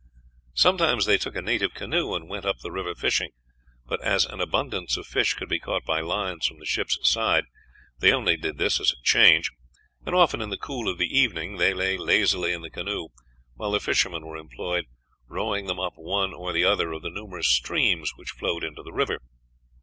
Sometimes they took a native canoe and went up the river fishing; but as an abundance of fish could be caught by lines from the ship's side, they only did this as a change, and often in the cool of the evening they lay lazily in the canoe, while the fishermen were employed rowing them up one or other of the numerous streams which flowed into the river.